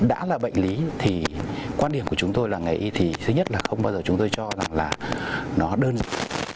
đã là bệnh lý thì quan điểm của chúng tôi là ngành y thì thứ nhất là không bao giờ chúng tôi cho rằng là nó đơn giản